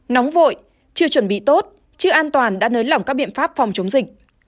hai nóng vội chưa chuẩn bị tốt chưa an toàn đã nới lỏng các biện pháp phòng chống dịch